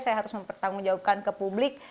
saya harus mempertanggung jawabkan ke publik